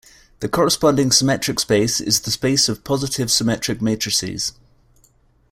The corresponding symmetric space is the space of positive symmetric matrices.